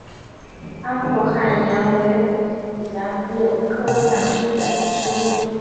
阿富汗杨为杨柳科杨属的植物。